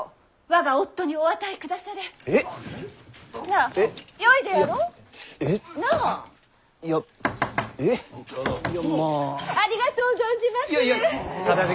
ありがとう存じまする！